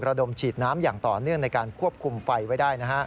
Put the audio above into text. ดมฉีดน้ำอย่างต่อเนื่องในการควบคุมไฟไว้ได้